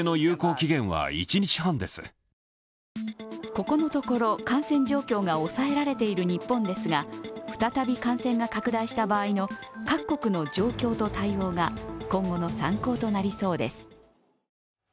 ここのところ感染状況が抑えられている日本ですが、再び感染が拡大した場合の各国の状況と対応が今後の参考となりそうです。